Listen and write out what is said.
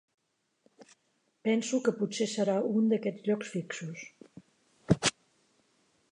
Penso que potser serà un d'aquests llocs fixos.